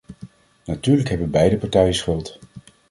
Natuurlijk hebben beide partijen schuld.